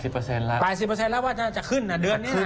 ๘๐เปอร์เซ็นต์แล้วว่าจะขึ้นอ่ะเดือนเนี่ย